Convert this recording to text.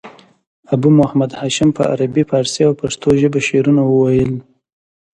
ابو محمد هاشم په عربي، پاړسي او پښتو ژبه شعرونه ویل.